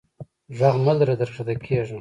ږغ مه لره در کښته کیږم.